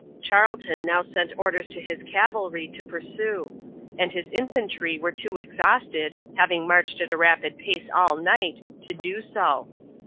Tarleton now sent orders to his cavalry to pursue, as his infantry were too exhausted, having marched at a rapid pace all night, to do so.